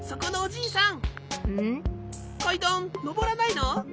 かいだんのぼらないの？